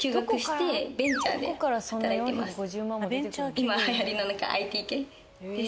今はやりのＩＴ系です。